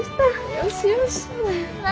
よしよし。